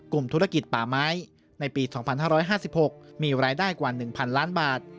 กลุ่มธุรกิจป่าไม้ในปี๒๕๕๖มีรายได้กว่า๑๐๐๐ล้านบาท